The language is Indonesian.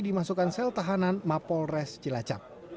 dimasukkan sel tahanan mapolres cilacap